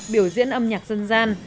biểu diễn âm nhạc dân gian